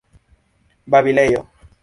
babilejo